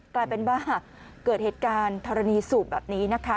กลายเป็นว่าเกิดเหตุการณ์ธรณีสูบแบบนี้นะคะ